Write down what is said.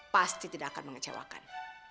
pasti tidak akan mengecewakan